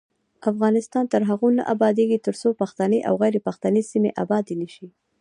افغانستان تر هغو نه ابادیږي، ترڅو پښتني او غیر پښتني سیمې ابادې نشي.